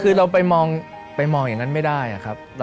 คือเราไปมองอย่างนั้นไม่ได้ครับ